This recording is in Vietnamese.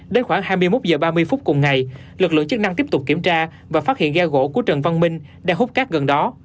đến khoảng hai mươi một h ba mươi phút cùng ngày lực lượng chức năng tiếp tục kiểm tra và phát hiện ghe gỗ của trần văn minh đang hút cát gần đó